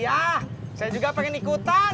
ya saya juga pengen ikutan